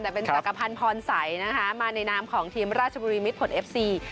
แต่เป็นจักรพันธ์พรสัยนะคะมาในนามของทีมราชบุรีมิตผลเอฟซี